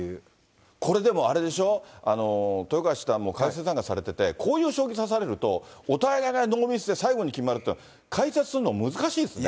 これでもあれでしょ、豊川七段も解説なんかされてて、こういう将棋指されると、お互いがノーミスで最後に決まるって、解説するの難しいですよね。